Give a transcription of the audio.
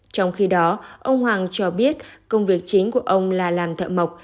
trong khi đó ông hoàng cho biết công việc chính của ông là làm thợ mộc